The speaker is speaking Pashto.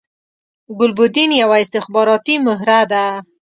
ګلبدین یوه استخباراتی مهره ده